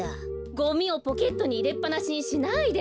ゴミをポケットにいれっぱなしにしないで。